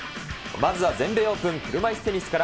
まずは全米オープン車いすテニスから。